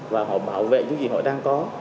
và họ bảo vệ những gì họ đang có